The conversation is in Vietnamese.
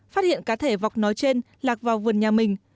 phát hiện cá thể vọc nói trên lạc vào vườn nhà mình